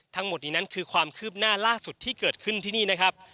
ทั้งหมดนี้นั้นคือความคืบหน้าล่าสุดที่เกิดขึ้นที่นี่นะครับ